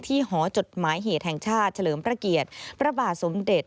หอจดหมายเหตุแห่งชาติเฉลิมพระเกียรติพระบาทสมเด็จ